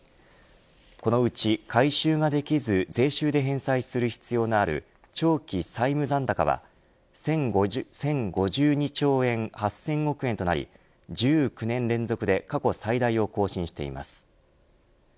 このうち回収ができず税収で返済する必要のある長期債務残高は１０５２兆８０００億円となり１９年連続で過去最大を更新しています。